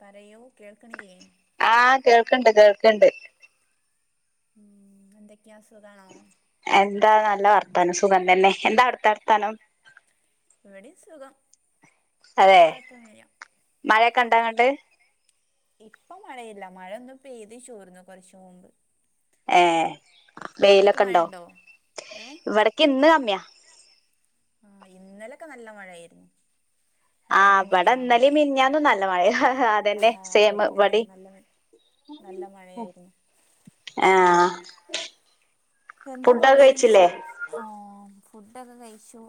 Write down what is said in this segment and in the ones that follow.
തരയൂ കേൾക്കണില്യേ ആഹ് കേൾക്കണ്ട് കേൾക്കണ്ട് ഉം എന്തൊക്കെയാ സുഖാണോ എന്താ നല്ല വർത്താനം സുഖന്തന്നെ എന്താ അവിടുത്തെർത്താനം ഇവിടെം സുഖം അതെ കുഴപ്പമൊന്നുമില്ല മഴയൊക്കെ ഇണ്ടാങ്ങട്ട് ഇപ്പൊ മഴയില്ല മഴ ഒന്ന് പെയ്തി ചോർന്നു കൊറച്ച് മുമ്പ് ഏഹ് അവിടക്ക് വെയിലൊക്കെ ഇണ്ടോ മഴയുണ്ടോ ഇവിടെക്കെ ഇന്ന് കമ്മ്യ ആഹ് ഇന്നലൊക്കെ നല്ല മഴയായിരുന്നു ഇന്നലെ ആഹ് ഇവിടെ ഇന്നലിം മിനിയാന്നൊക്കെ മിനിഞ്ഞാന്നും നല്ല മഴ അതന്നെ ആഹ് സെയിം ഇവിടി തന്നെയ ഇവടിം നല്ല മഴ നല്ല മഴയായിരുന്നു ആഹ് എന്താ ഫുഡൊക്കെ പണി പ്പോ കഴിച്ചില്ലേ ആഹ് ഫുഡൊക്കെ കഴിച്ചു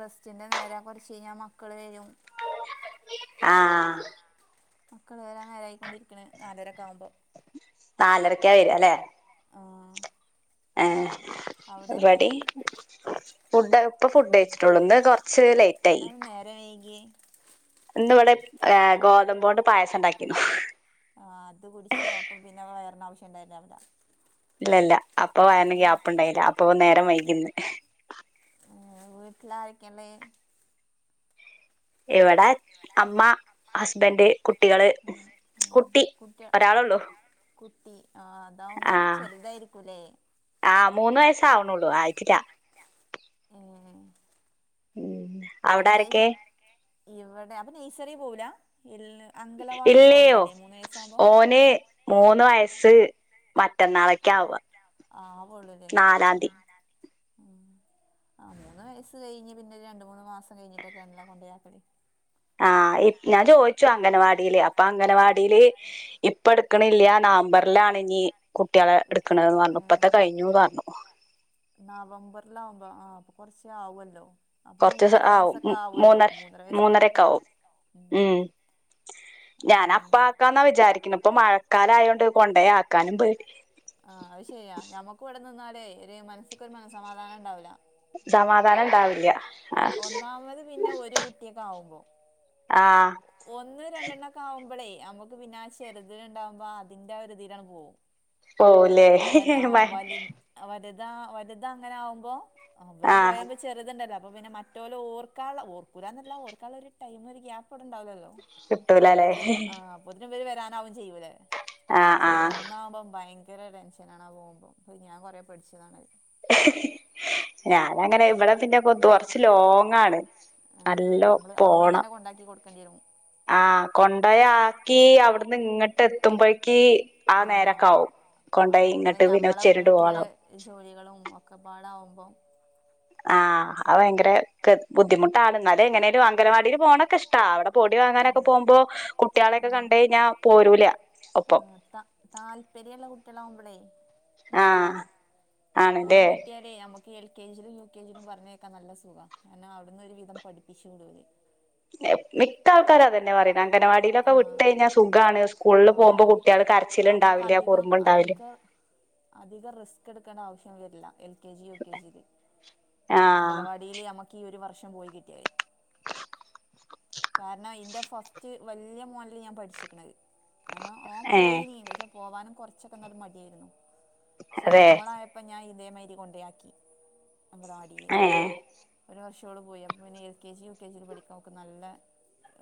റെസ്റ്റിന്റെ നേരാ കൊറച്ച് കഴിഞ്ഞാ മക്കള് വരും [unintelligible] ആഹ് മക്കള് വരാൻ നേരായിക്കൊണ്ടിരിക്കണ് നാലരൊക്കെ ആവുമ്പോ നാലരക്ക വരുവ അല്ലെ ആഹ് ഏഹ് ഇവടി ഫുഡ് ഇപ്പ ഫുഡ് കഴിച്ചിട്ടേള്ളൂ ന്ന് കൊറച്ച് ലേറ്റ് ആയി അത് ന്താ നേരം വൈകിയേ ഇന്ന് ഇവിടെ ഗോതമ്പോണ്ട് പായസം ഇണ്ടാക്കീന്ന് ആഹ് അത് കുടിച്ച് അപ്പൊ പിന്നെ വയറിനാവശ്യണ്ടായില്ല അവ്ട ഇല്ല ഇല്ല അപ്പ വയറിന് ഗ്യാപ്പിണ്ടായില്ല അപ്പൊ നേരം വൈകിന്ന് വീട്ടിലാരൊക്കേണ്ട് ഇവിടെ അമ്മ ഹസ്ബൻഡ് കുട്ടികള് കുട്ടി ഒരാളെള്ളു കുട്ടി ആഹ് താവുമ്പം ചെറുതായിരിക്കൂല്ലേ ആഹ് മൂന്ന് വയസ്സാവണള്ളൂ ആയിട്ടില്ല ഉം ഉം അവിടെ എന്താ ആരൊക്കെ ഇവിടെ അപ്പൊ നെയ്സറി പോവൂല ഇല്ല അങ്കലവാടി ഇല്ലയോ പോവലില്ലേ മൂന്ന് വയസ്സാകുമ്പോ ഓനെ മൂന്ന് വയസ്സ് മറ്റന്നാളൊക്കെ ആവാ ആവൂള്ളുല്ലേ ആഹ് നാലാംന്തി ഉം ആഹ് മൂന്ന് വയസ്സ് കഴിഞ്ഞ് പിന്നെ രണ്ട് മൂന്ന് മാസം കഴിഞ്ഞിട്ടൊക്കെയണെല്ലാം കൊണ്ടു ആക്കല് ആഹ് ഇ ഞാൻ ചോദിച്ചു അംഗനവാടിയില് അപ്പ അംഗനവാടീല് ഇപ്പ എടുക്കണില്യ നവംബറിലാണ് ഇനി കുട്ടികളെ എടുക്കണതന്ന് പറഞ്ഞു ഇപ്പഴ്ത്തെ എടുക്കൂ കഴിഞ്ഞൂന്ന് പറഞ്ഞു നവംബറിലാവുമ്പോ ആഹ് അപ്പ കൊറച്ചാവല്ലോ അപ്പൊ കൊറച്ച് മൂന്നര ആവും വയസ്സൊക്കെ ആവുല്ലോ മൂന്നര വയസിന്റെ അടുത്താവും ഉം ഞാനപ്പ അങ്ങനെ ആക്കാന്നാ വിചാരിക്കുന്നേ ഇപ്പ മഴക്കാലായോണ്ട് കൊണ്ടോയാക്കാരുന്ന് ആഹ് അത് ശരിയാ ഞമ്മക്ക് ഇവിടെ നിന്നാലേ ഒരു മനസ്സിക്കൊരു മനസമാധാനം ഇണ്ടാവൂല സമാധാനം ഉണ്ടാവില്ല ആ ആഹ് ഒന്നാമത് പിന്നെ ഒരു കുട്ടിയൊക്കെ ആവുമ്പോ ആഹ് ഒന്ന രണ്ടെണ്ണൊക്കെ ആവുമ്പോളേ നമുക്ക് പിന്നെ ആ ചെറുതില ഉണ്ടാവുമ്പോ അതിന്റെ ആ ഒരുതിയിലാണ് പോകും. പോവുല്ലേ വ ആ വല വലുതാ വലുത അങ്ങനെ ആകുമ്പോ അവര് ആഹ് പോയ ചെറുതുണ്ടല്ലോ അപ്പൊ പിന്നെ മറ്റോലോഓക്ക ഓർക്കൂലന്നല്ല ഓർക്ക ഒരു ടൈം ഒരു ഗ്യാപ്പ്ടണ്ടാവല്ലല്ലോ. കിട്ടൂലല്ലേ ഇവരൊക്കെ ആഹ് പൊതിന ഇവര് വരാനാവും ചെയ്യൂല്ലേ...... ആഹ് പക്ഷെ ആഹ് ഒന്നാകുമ്പോം ഭയങ്കര ടെൻഷനാണ് ആ പോകുമ്പം ഞാൻ കൊറെ പേടിച്ചതാണ്. [inaudible] ഞാനങ്ങനെ ഇവിടെ പിന്നെക്ക കുറച്ച്ലോങ്ങാണ് നല്ലോ പോണം. പണിയാകും [inaudible] ആഹ് കൊണ്ടപോയാ ആക്കി അവിടുന്ന് ഇങ്ങോട്ട് എത്തുമ്പോഴക്ക്. ആ നേരൊക്കെ ആ ആവുംകൊണ്ടയി ഇങ്ങോട്ട് പിന്നെ ഞമ്മളെ ഉച്ചരിട്ട് പോക വീട്ടിലെ ജോലികളും ഒക്കെ പാടകുമ്പോ. ആഹ അ ഭയങ്കര. ബുദ്ധിമുട്ടാണ്ണ എന്നാല എങ്ങനെ ഒരു അങ്കനവാടിയിൽ പോകണൊക്കെ ഇഷ്ട അവിടെ പൊടിവാങ്ങാനൊക്കെ പോകുമ്പോ. കുട്ടികളെക്കെ കണ്ട കഴിഞ്ഞാ പോരൂല ഒപ്പം. താല്പര്യമുള്ള കുട്ടികളാവുമ്പോളേ നല്ലതാ ആഹ് പോയി ആണല്ലേ കിട്ടിയാ. അല്ലെ നമുക്ക് എൽ കെ ജിയിലും യു കെ ജിലും പറഞ്ഞേക്കാം നല്ല സുഖം കാരണം അവിടുന്ന് ഒരുവിധം പഠിപ്പിച് വിടുവര് മിക്ക ആൾക്കാരാതന്നെ പറയുന്ന അങ്കനവാടിയിലൊക്കെ വിട്ട ആഹ് കഴിഞ്ഞാൽ സുഖണ് സ്കൂളിൽ പോകുമ്പോ. ആഹ് കുട്ടികൾ കരച്ചില നമുക്ക് ഉണ്ടാവില്ല അധികം കുറുമ്പ് ഉണ്ടാവി അധിക അധികം റിസ്ക് എടുക്കേണ്ട ആവശ്യം വരില്ല L K G U K G ആഹ് അംഗവാടി. ഇലെ നമുക്ക് ഈ ഒരു വർഷം പോയി കിട്ടിയ കാരണം ഇന്റെ ഫസ്റ്റ് വലിയ മോനില് ഞാൻ പഠിച്ചിക്കണത് അനാ ഓൻ ഏഹ് പോയിനീ പക്ഷെ പോവാനും കൊറച്ചൊക്കെ നല്ല മടിയായിരുന്നു പക്ഷെ അതെ മോളാ അപ്പം ഞാൻ ഇതേമാതിരി കൊണ്ടയാക്കിഅംഗൻവാടി യിൽ ഏഹ് ഒരു വർഷോള് പോയ പിന്നെ L K G U K ജിയി പഠിക്കൻ അവൾക്കു നല്ല.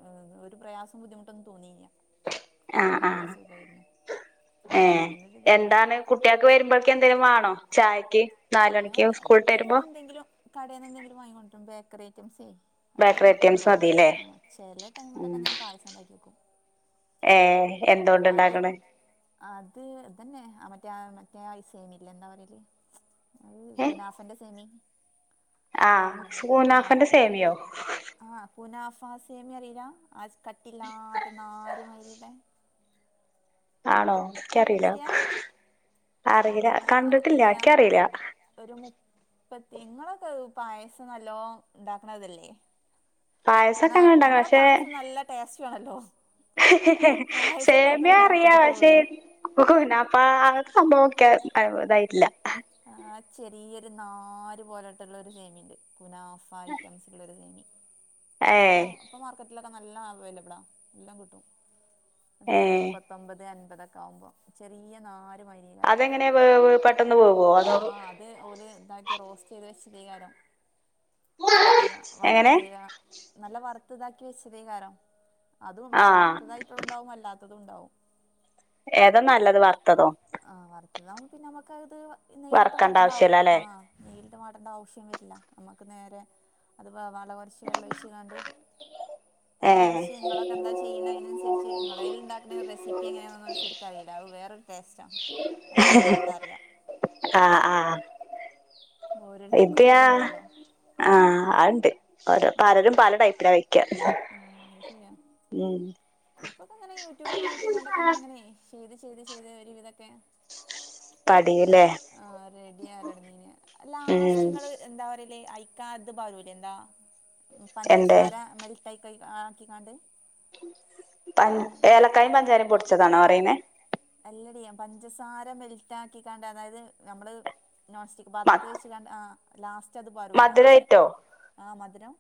ഏ ഒരു പ്രയാസം ബുദ്ധിമുട്ടൊന്നും തോന്നിയില്ല...... ആഹ് ഒരിക്കാൻ നല്ല ആഹ് സുഖമായിരുന്നു അപ്പൊ ഏഹ് അങ്ങനെരു ഇത്ണ്ടാവും... എന്താണ് കുട്ടികൾക്ക് വരുമ്പോഴക്ക എന്തെങ്കിലും വേണോ ചായക്ക് നാല് മണിക്ക് സ്കൂളിട്ട് വരുമ്പോ.... കടയിൽന്ന് എന്തെങ്കിലും വാങ്ങിട്ടും ബേക്കറി ഐറ്റംസെ അതൊക്കെ ബേക്കറി ഐറ്റംസ് പറ്റുള്ളൂ മതില്ലേ ആ ചെല ടൈമിലൊക്കെ ഉം ഞാൻ പായസം ഉണ്ടാക്കി വക്കും. ഏ എന്തുകൊണ്ട് ഉണ്ടാക്കണ അത് ഇതന്നെ മറ്റേ മറ്റേ സേമില്ല എന്താ പറല് അത് കുനാഫന്റെ സെമി ആ സൂനാഫന്റെ സേമിയോ ആഹ കുനഫാ സേമിയ അറിയില്ല കാട്ടിയില്ലാത്ത നാരുമായിരട്ടെ ആണോ എനിക്കറിയില്ല കണ്ടിട്ടില്ല അറിയില്ല അങ്ങനെ കണ്ടിട്ടില്ല ഇന എനിക്ക അറിയില്ല ഒരു മുപ്പത്തിങ്ങളൊക്കെ പായസം നല്ലോ ഉണ്ടാക്കണതല്ലേ ആ പായസൊക്കെ അങ്ങനെ ഇണ്ടാക്കണം നിങ്ങളെ പക്ഷെ പായസം നല്ല ടേസ്റ്റ് ആണല്ല സേമിയ അറിയ കഴിഞ്ഞിട്ടേ പക്ഷേ ഒള്ളൂ കുനാഫ അങ്ങനത്തെ സംഭവം ഒക്കെ ഇതായിട്ടില്ല ആ ചെറിയൊരു നാര് പോലായിട്ടുള്ള ഒരു സേമിയുണ്ട് കുനാഫ ഐറ്റംസ് ഉള്ളരു സേമി അതിപ്പോ ഏ ഇപ്പ ന്റെ വീട്ടിലൊക്കെ നല്ല അവൈലബിള ആ എല്ലാം കിട്ടും ഏ എത്ര മുപ്പ പത്തൊമ്പത് അൻപതൊക്കെ ആകുമ്പോ ചെറിയ നാര് മാതിരി കാരം അതെങ്ങനെ പെട്ടെന്ന്വേവോ അതോ ആ അത് ഓല ഇതാക്കി റോസ്റ്റ് ചെയ്ത് വെച്ച അല്ല എങ്ങനെ വറുത്ത നല്ല വറുത്ത ഇതാക്കി വെച്ചത്കാരോ അതും ആഹ് വറുത്തതായിട്ട ഉണ്ടാവും അല്ലാത്തതും ഉണ്ടാവും. ഏതാ നല്ലത് വറുത്തതോ ആ വറുത്തതാവുമ്പോ പിന്നെ അമ്മക്ക് ത് നെയ്യിലിട്ട് വറക്കണ്ട വാട്ടണ്ടവു ആവശ്യല്ല ആ അല്ലെ നെയ്യില്ട്ട് വാട്ടണ്ട ആവശ്യം വെരില്ല നമ്മക്ക് നേരെ അത് വ വള കൊറച്ച് വെള്ളൊഴിച്ക്കാണ്ട് ഏ വെവിച്ച് നിങ്ങളൊക്കെന്താ ചെയ്യണ് അയ്നനുസരിച്ച് നിങ്ങളേൽ ഇ ണ്ടാക്കണ റെസിപ്പി എങ്ങനെന്ന ഓയ്ച് കറിയില അഹ് വേറൊരു ടേസ്റ്റആണ് അ ഇൻക്കതഅതറിയാ ആ ആ ഓരോരുത്തർക്കും ഓരോ ഇത്ഹാ ഇതുണ്ടല്ലോ ആ ആണ്ട് ഓരോ ആ പലരും പല ടൈപ്പിലാ വെക്ക. ആ [unintelligible] മ് ഇപ്പൊക്കെ ഇങ്ങനെ യൂട്യൂബ് നോക്കിക്കാണ്ടൊക്കെ ഇങ്ങനെ ങ്ങ നെയെ ചെയ്ത് ചെയ്ത് ചെയ്ത് ഒര് വിദൊക്കെ പടീല്ലേ ആ റെഡി ആവലൊട്ന്നീനിം ഉം ലാസ്റ്റ്ങ്ങള് എന്താ പറയല് അയ്ക്കാത് പാരൂലേ എന്താ എന്തേ പഞ്ചസാര മേൽ തൈ കൈ ആക്കിക്കാണ്ട്. പം ഏലക്കായും പഞ്ചാരിം പൊടിച്ചതാണോ പറയുന്നേ? അല്ലടി പഞ്ചസാര മെൽറ്റ ആക്കിക്കാണ്ട് അതായത് ഞമ്മള് നോൺസ്റ്റിക് മ പാത്രത് വെച്ച് കാണ്ട് ആ ലാസ്റ്റ് അത് പാരൂലെ ആ ഒരു മധുരായിട്ടോ ആ മധുരം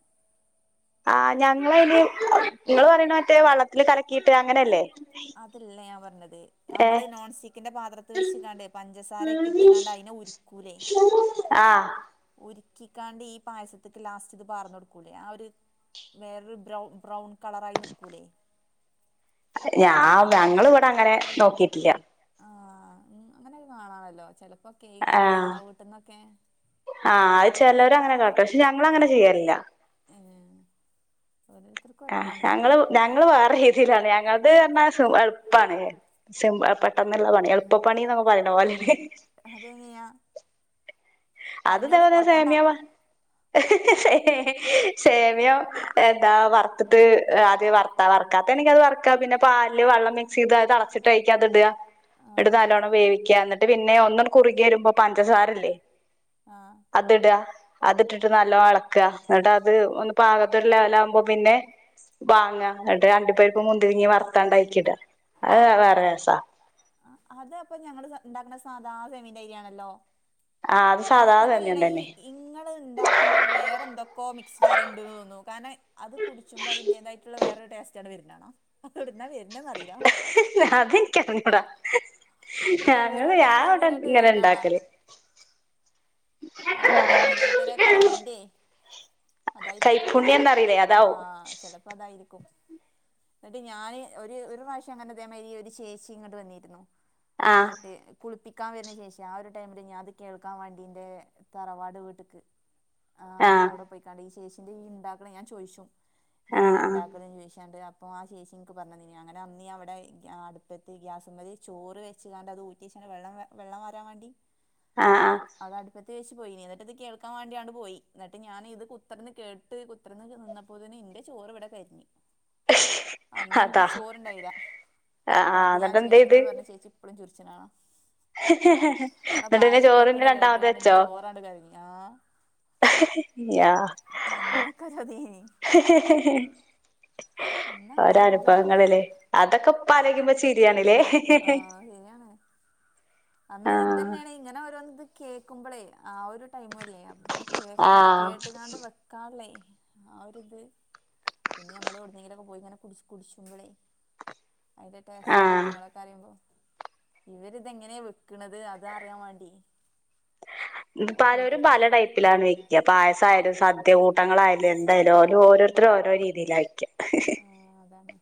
ആ ഞങ്ങള് അയ്‌ന് നിങ്ങള് പറയ്ണെ മറ്റേ വള്ളത്തില് കലക്കീട്ട് അങ്ങനെയല്ലേ? അതല്ല ഞാൻ പറഞ്ഞത് നമ്മള് ഏഹ് നോൺ സ്റ്റിക്കിന്റെ പാത്രത്ത് വെച്ച്ക്കാണ്ട് പഞ്ചസാരക്കരയ്ക്ക് ഇട്ട്ക്കാണ്ട് അയിനെ ഉരുക്കൂലേ? ആ ഉര്ക്കിക്കാണ്ട് ഈ പായസത്ക്ക് ലാസ്റ്റ് ഇത് പാർന്ന കൊടുക്കൂലേ ആ ഒര് വേറൊരു ബ്രവ് ബ്രൗൺ കളറായി നിൽക്കൂലേ? ഞാ ഞങ്ങളിഇവടെ അങ്ങനെ നോക്കിട്ടില്ല. ആങ്ങ് അങ്ങനെ കാണാല്ലോ ചെലപ്പോക്കെ ഈ കല്യാണ വീട്ടിലൊക്കെ ആ ആ ചെലൊര് അങ്ങനെ കാട്ടും പക്ഷെ ഞങ്ങങ്ങനെ ചെയ്യാലില്ല. ഏ ആഹ ഞങ്ങള് ഞങ്ങള് വേറെ രീതിയിലാണ് ഞങ്ങള്ത് പറഞ്ഞാ സു എൾപ്പാണ്. സിം അ പെട്ടന്നുള്ള പണി എൾപ്പ പണിന്നൊക്കെ പറിണ പോലെ. അതെങ്ങെയാ? അത് പർഞ്ഞുട് ഇതേപോലെ കൊറക്കണ്ട. [inaudible] ഹേ ഹ- സേമിയം എതാ വർത്ട്ട് അദ്യേ വർത്താ വർക്കാതെണെങ്കി അത് വർക്ക പിന്നെ പാൽല് വള്ളം സീതായത്തളചിട്ട് അയ്യ്ക്കത് ഇട്യ. ന്നട്ട് ആഹ് നല്ലോണ്ണം വേവിക്ക്യാ ന്നട്ട് പിന്നെ ഒന്നണ് കുറുര്യരുമ്പോ പഞ്ചസാര ല്ലേ? ആഹ്. അത്ട്യാ. അത്ട്ട്ട്ട് നല്ലോ എളക്കാ ന്നട്ട്ത് ഒന്ന് പാകതൊരു ലെവലാകുമ്പോ പിന്നെ. വാങ്ങ ന്നട്ട് അണ്ടി പരിപ്പും മുന്തിരിങ്ങി വർത്താണ്ട് അയികിട അവ് വേറെരെസാ. ആ അത് അപ്പൊ ഞങ്ങള് ഞ ഇണ്ടാക്ണ സാധാ സെമിന്റയിരി ആണല്ലോ? ആ അത് ആഹ് സാധാ അതല്ല സേമിയം ഈ തന്നെ ഇങ്ങൾ ഇണ്ടാക്കുമ്പൊ വേറെ ന്തൊക്കോ മിക്സ്ഡ് ആക്ണ്ട് തോന്നുന്നു. കാരണയ് അത് കുടിച്ചുമ്പോ അതിന്റേതായിട്ടുള്ള വേറെരു ട്ടെസ്റ്റ് ആണ്ട് വര് നാണ ഒട്ന്ന വെര്നെന്നറീല. അതിൻക്കറിഞ്ഞൂടാ. അല്ല ഞങ്ങൾ ഞാ വേറൊരു വടെ ഇതിനായിട്ട് ഇങ്ങനെ വരുന്നാണാ ണ്ടാക്കല്. അവ് പിന്നെ ഓരോരുത്തരെ കയ്യിന്റെ. അതായ്ര്ക്കും കൈപ്പുണ്യംന്നറിയില്ലേ ആ അതാവും ചെലപ്പോ അതായിരിക്കും. ന്നട്ട് ഞാന് ഒര് ഒരു റാവശ്യം അങ്ങന ഇതേ മായ്രി ഒരു ചേച്ചി ഇങ്ങട്ട് വന്നിര്ന്നു. ആഹ് ന്നട്ട് കുൾപ്പിക്കാ വെര്ണ ചേച്ചി ആ ഒരു ടൈമില് ഞാൻ ത് കേൾക്കാൻ വണ്ടീന്റെ. തറവാട് വീട്ട്ക്ക് ആ ആഹ് ന്നട്ടവിടെ പോയി. തളി ഈ ചേച്ചിന്റെ ഈ ണ്ടാക്കണ ഞാചോയ്ച്ചും ഇതെങ്ങനെ ആഹ് ആഹ് ണ്ടാക്ക്ണെ ചോദിച്ചാണ്ട് അപ്പോ ആ ചേച്ചി ഇൻക്ക് പറഞ്ഞന്നിനി അങ്ങനെ അന്ന് ഞാവടെ ഇ ആ അട്പ്പത്ത് ഗ്യാസ്മൽ ചോറ് വെച്ച്കാണ്ടത് ഊ റ്റിച്ണ് വെള്ളം വെ വെള്ളം വരാൻ വേണ്ടി ആഹ് ആഹ് അതടു തച്ച് പോയിനി ന്നട്ടത് കേൾക്കാ വേണ്ടിയാണ്ട് പോയി. ന്നട്ട് ഞാൻ ഇത് കുത്തർന്ന് കേട്ട് കുത്തർന്ന് നിന്ന പ്പൊതിന് ഇന്റെ ചോറ് വടെ കരിഞ്. അന്ന് ഇൻക്ക് അതാ ചോറ്ണ്ടായില. ന്നട്ട ആഹ് ത് ഞാ എന്നിട്ട് എന്ത് ചെയ്ത് ചേച്ചിനോട് പറഞ് ചേച്ചി- പ്പളും ചിർച്ചിണാണ. ന്നട്ട് പിന്നെ ചോറ് ന്നെ രണ്ടാമത് വെ ത് ന്റെ ചോറാണ്ട് കര്ഞ് ആഹ്. ഹ ഞാ ഒരതീനി ഹഹ. അന്ന് അങ്ങനെ ഓരൊ ഒരു ഭ്രാന്ത് അനുഭവങ്ങളല്ലേ അതൊക്കെ പ്പലോയിക്കുമ്പോ ചിരിയാണ് ല്ലേ.. ശര്യാണ്. അന്ന് ആഹ് ദെന്നെണ് ഇങ്ങനോരോന്ന് ത് കേൾക്കുമ്പളെ ആ ഒരു ടൈമുവല്ലേ അപ്പൊ പിന്നെ. കേക്കാ ആഹ് കേട്ട്ക്കാണ്ട് വെക്കാള്ളേ ആ ഒര്ത്. പിന്നെ ഞമ്മള് എവ ഒട്ന്നെങ്കിലോക്കെ പോയിങ്ങനെ കുച്ച് കുടിച്ചു്മ്പളെ. അയ്ന്റെ ടേസ്റ്റും ആഹ് കാര്യങ്ങളൊക്കെ അറിമ്പോ ഇവര്തെങ്ങനെ വെ ക്ക്ണത് അതറ്യാ വാണ്ടി. ഇ പലരും പല ടൈപ്പിലാന്നെ. യ പായസായാലും സദ്യ കൂട്ടങ്ങളായാലു എന്തായാലു ഓര ഓരോരുത്തരും ഓരോ രീതിയിലാ വെക്ക. ഏഹ് അതാണ്.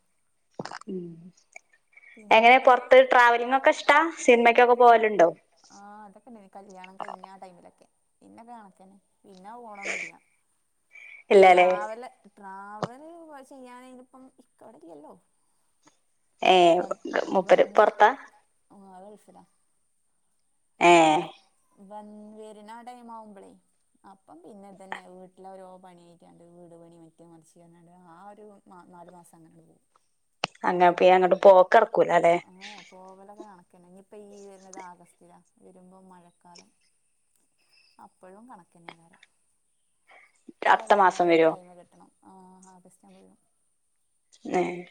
ഉം എങ്ങനെ പിന്നെന്താ പൊർത്ത് ട്രാവലി ങ്ങൊക്കെഷ്ടാ സിൻമക്കൊക്കെ പോവലുണ്ടോ? ആഹ് അതൊക്കെണ്ടേനി കല്യാണം കയ്ഞ്ഞ ആ ടൈമിലൊക്കെ, പിന്നെക്കെ കണക്കന്നെ. പിന്നാ ഓണന്നുല്ല്യ ഇല്ലല്ലേ ട്രാവല ട്രാവൽ [unintelligible] ചെയ്യാ നൈന്പ്പം ഇക്ക വടെല്ലല്ലോ. ഏഹ് വ മൂപ്പര് വന്ന് പൊറത്താ ആ ആൾ ഗൾഫ് ല വെ ഏഹ് വന് വര്ണാ ടൈ മാവുമ്പളെ. അപ്പം പിന്നെതന്നെ വീട്ട് ലോരോ പണ്യായ്കാണ്ട് വീട് പണി മറ്റേ മർച്ച് ന്നർഞാണ്ട് ആ ഒരു- ആ നാല് മാസം അങ്ങനെണ്ട് പോവും അങ്ങന പി എങ്ങോട്ട് പോക്ക് ടക്കൂല ലെ അങ്ങനെ പോവലൊക്കെ കണക്കന്നെ, ഇഞ്ഞിപ്പൊ ഈ വരുന്നത് ആഗസ്റ്റിലാ. വരുമ്പോ മഴക്കാലം അപ്പോഴും കണക്കന്നെകാരം നല്ല അടുത്ത മാസം വേനൽ വരോ ടൈമിൽ കിട്ടണം. ആ ആഗസ്റ്റ്‌ ആവുമ്പോ വരും ഏഹ്,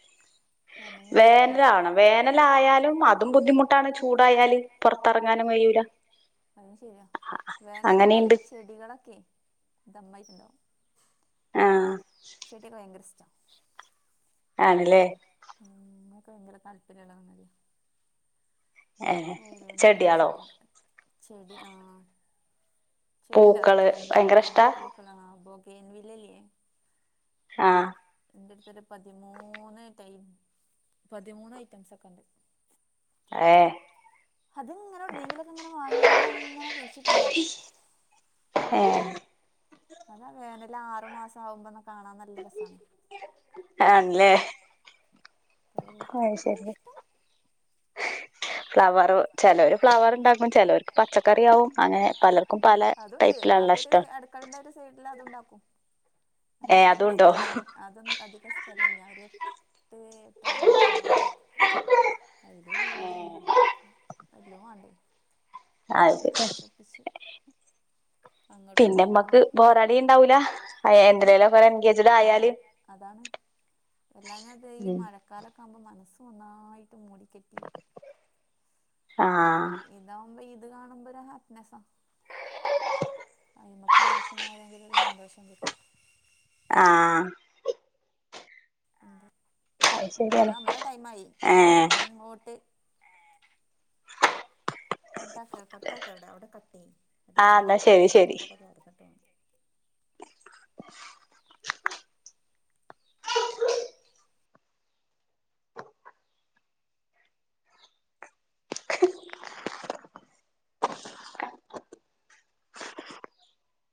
വരണം വിചാരിച്ചിക്ക്ണ്ട് വേനലാവണം വേനലായാലും അതും ബുദ്ധിമുട്ടാണ് ചൂടായാല്, പൊറത്തിറങ്ങാനും കഴിയൂല അതും ശരിയാ, വേനലായാല് അങ്ങനെയുണ്ട് ചെടികളൊക്കെ ദമ്മായിട്ടുണ്ടാവും ആഹ് ചെടിയൊക്കെ ഭയങ്കര ഇഷ്ട ആണ് ലെ ഉം നൊക്കെ ഭയങ്കര താല്പര്യമുള്ള ഏ ഓരോന്നൊക്കെ ചെടികളോ കുഴിച്ചിട്ടു ചെടി ആഹ് ചെടി പൂക്കള് ഇണ്ടാക്കണത്. ഭയങ്കര ആഹ് ഇഷ്ടാ പൂക്കള ആ ബോഗൈൻ വില്ലല്ലേ ആഹ് ഇന്റെ അടുത്തോരു പതിമൂന്ന് ടൈ പതിമൂന്ന് ഐറ്റംസ് ഒക്കെ ഇണ്ട് ഏഹ് അത് ഇങ്ങനെ എവുട്ന്നെങ്കിലൊക്കെ ഇങ്ങനെ വാങ്ങിയാണ്ട് ങ്ങനെ കുഴിച്ചിട്ടുണ്ടാക്കും ഏഹ് അതാ വേനല് ആറു മാസം ആവുമ്പോ കാണാൻ നല്ല രസാണ് ആണ്ല്ലേ ഒരോർത്തർക്ക് ഓരോ ശരി ഇഷ്ടം ഫ്ലവർ ചെലോര് ഫ്ലവറ്ണ്ടാകും ചെലോർക്ക് പച്ചക്ക അതുണ്ട്. ടൈപ്പിലാണല്ലോ അതൊരു ഇഷ്ടം അടുക്കളന്റെ ഒരു സൈഡില് അതുണ്ടാക്കും. അ ഏ അധിക അതുണ്ടോ സ്ഥലൊന്ന് അതൊന്ന അധിക സ്ഥല ഇല്ല അവര് എട്ട് എട്ടര സെന്റൊക്കെ ഉണ്ടാവുള്ളൂ അയില് വീടും എല്ല വ്വാണ്ടേ അത് ശരി ഒപ്പിച്ച ഒപ്പിച്ച്. പിന്നെമ്മക്ക് ബോറടിണ്ടാവുല്ല ഏ എന്ത്ലേലക്കെ എൻഗേജഡ് ആ ആയാല് അതാണ് എല്ലാ ഞ അത് ഈ ഉം മഴക്കാലൊക്കെ ആവുമ്പോ മനസ്സ് ഒന്നായിട്ട് മൂടിക്കെട്ടി ക്കും ആഹ് ഇതാവുമ്പോ ഇത് കാണുമ്പോ ഒരു ഹാപ്പിനെസാ അയ്മക്ക് നോക്കിന്നരെങ്കിലൊരു സന്തോഷം കിട്ടും ആഹ് ആഹ് അത് ശരിയാണ് നമ്മള ടൈമായി ഏ ഇനിങ്ങോട്ട് കട്ടാക്ക കട്ടാക്കണ്ടാ അവിടെ കട്ടി യ്യ് ആഹ് അവിടെ എന്നാ ശരി ശരി കട്ടിടോക്കെിട്ട [inaudible]